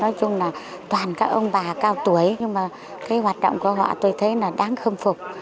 nói chung là toàn các ông bà cao tuổi nhưng mà cái hoạt động của họ tôi thấy là đáng khâm phục